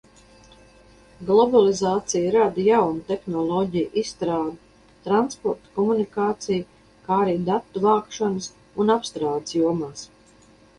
Globalizāciju rada jaunu tehnoloģiju izstrāde transporta, komunikāciju, kā arī datu vākšanas un apstrādes jomās.